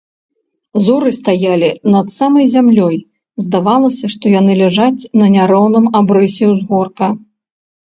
Зоры стаялі над самай зямлёй, здавалася, што яны ляжаць на няроўным абрысе ўзгорка.